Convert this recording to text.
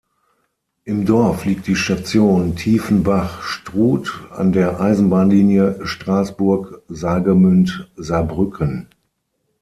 Im Dorf liegt die Station "Tieffenbach-Struth" an der Eisenbahnlinie Straßburg-Saargemünd-Saarbrücken.